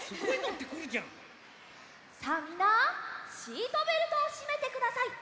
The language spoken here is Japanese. さあみんなシートベルトをしめてください！